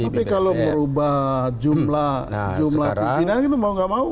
tapi kalau merubah jumlah pimpinan itu mau gak mau